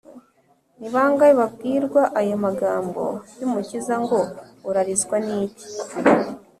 ni bangahe babwirwa aya magambo y’umukiza ngo, «urarizwa n’iki ?